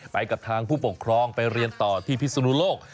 ไปกับทางผู้ปกครองไปเรียนต่อที่พิศนุโลก